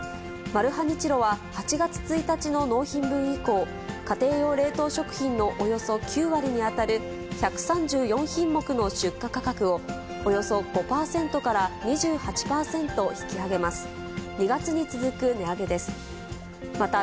マルハニチロは８月１日の納品分以降、家庭用冷凍食品のおよそ９割に当たる１３４品目の出荷価格をおよそ５％から２８％引き上げます。